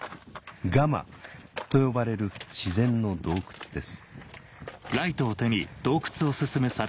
「ガマ」と呼ばれる自然の洞窟です